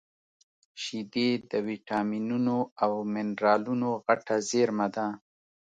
شیدې د ویټامینونو او مینرالونو غټه زېرمه ده